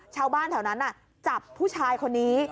ชาวบ้านแถวนั้นจับผู้ชายคนนี้